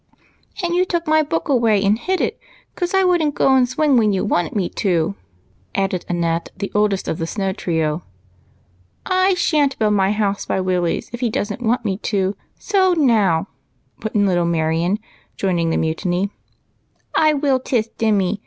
"And you took my book away and hid it 'cause I would n't go and swing when you* wanted me to," added Annette, the oldest of the Snow trio. " I shanH build my house by Willie's if he don't want me to, so now !" put in little Marion, joining the mutiny. " I loill tiss Dimmy !